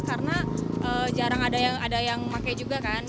karena jarang ada yang pakai juga kan